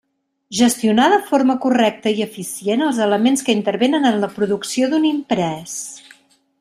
Gestionar de forma correcta i eficient els elements que intervenen en la producció d'un imprés.